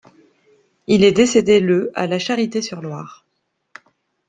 Il est décédé le à La Charité-sur-Loire.